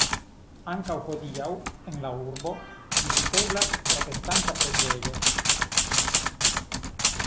Ankaŭ hodiaŭ en la urbo viziteblas protestanta preĝejo.